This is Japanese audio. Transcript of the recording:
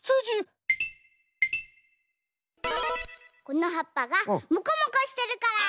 このはっぱがモコモコしてるから。